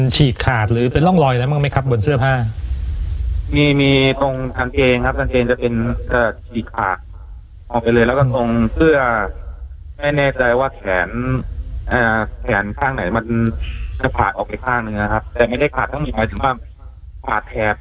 ไม่เกินสองร้อยเมตรของนั้นค่ะค่ะครับคุณนาชัยแป๊บหนึ่งนะคะ